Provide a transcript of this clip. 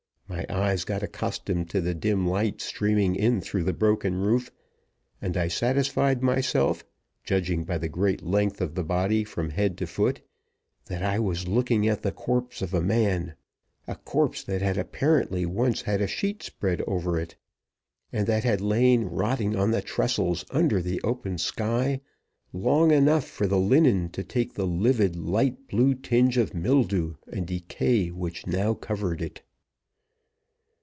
My eyes got accustomed to the dim light streaming in through the broken roof, and I satisfied myself, judging by the great length of the body from head to foot, that I was looking at the corpse of a man a corpse that had apparently once had a sheet spread over it, and that had lain rotting on the trestles under the open sky long enough for the linen to take the livid, light blue tinge of mildew and decay which now covered it.